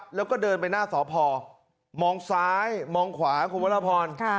แล้วก็เดินไปหน้าสพมองซ้ายมองขวาคุณวรพร